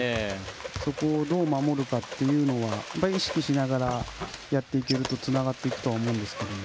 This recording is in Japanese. そこをどう守るかというのは意識しながらやっていけるとつながっていくと思うんですけど。